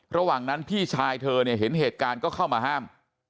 ระหว่างนั้นพี่ชายเธอเนี่ยเห็นเหตุการณ์ก็เข้ามาห้าม